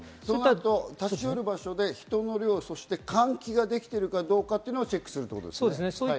立ち寄る場所で人の量、そして換気ができているかどうかはチェックするということですね。